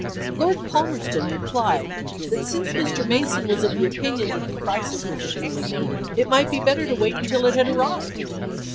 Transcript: Lord Palmerston replied that since Mr. Mason was of the opinion that the crisis was at hand, it might be better to wait until it had arrived.